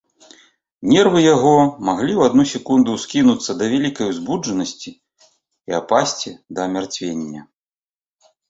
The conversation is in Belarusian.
Нервы яго маглі ў адну секунду ўскінуцца да вялікай узбуджанасці і апасці да амярцвення.